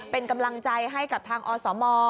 เป็นกำลังใจให้กับทางอสม